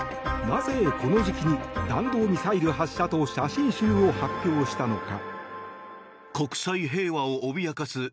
なぜこの時期に弾道ミサイル発射と写真集を発表したのか。